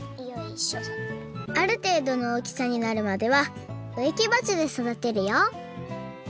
あるていどのおおきさになるまではうえきばちでそだてるよ